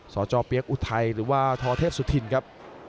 สจเปี๊ยกอุทัยหรือว่าทเทพสุธินครับ